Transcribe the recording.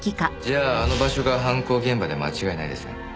じゃああの場所が犯行現場で間違いないですね。